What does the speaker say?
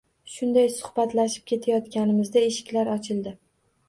Shunday suhbatlashib ketayotganimizda eshiklar ochildi.